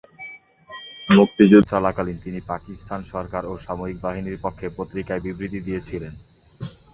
মুক্তিযুদ্ধ চলাকালীন তিনি পাকিস্তান সরকার ও সামরিক বাহিনীর পক্ষে পত্রিকায় বিবৃতি দিয়েছিলেন।